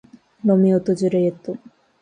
ロミオとジュリエット